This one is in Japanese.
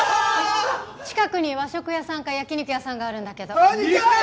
近くに和食屋さんか焼き肉屋さんがあるんだけど肉！